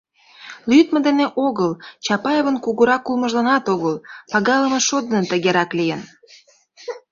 Лӱдмӧ дене огыл, Чапаевын кугурак улмыжланат огыл, пагалыме шот дене тыгерак лийын.